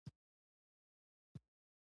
استاد راته و ویل چې بس ځو به.